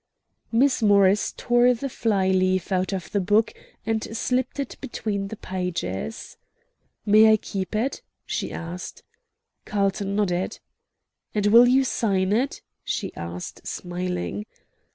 Miss Morris tore the fly leaf out of the book, and slipped it between the pages. "May I keep it?" she said. Carlton nodded. "And will you sign it?" she asked, smiling.